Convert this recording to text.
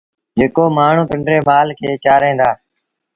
جيڪو مڻهون پنڊري مآل کي چآرين دآ